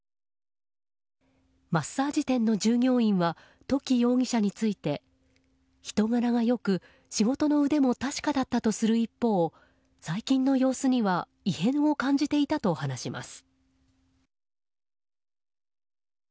マッサージ店の従業員は土岐容疑者について人柄が良く仕事の腕も確かだったとする一方最近の様子には異変を感じていたと話します。